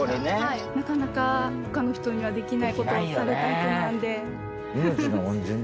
なかなか他の人にはできない事をされた人なので。